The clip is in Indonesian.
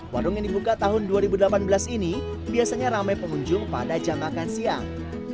warung yang dibuka tahun dua ribu delapan belas ini biasanya ramai pengunjung pada jam makan siang